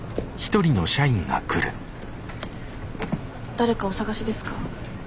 誰かお探しですか？